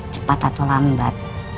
cepat atau lambat